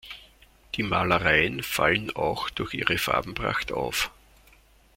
Die Malereien fallen auch durch ihre Farbenpracht auf.